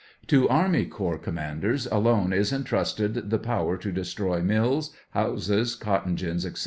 "To army corps commanders alone is entrusted the power to destroy mills, houses, cotton gins, &c.